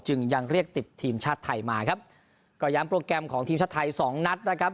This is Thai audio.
ยังเรียกติดทีมชาติไทยมาครับก็ย้ำโปรแกรมของทีมชาติไทยสองนัดนะครับ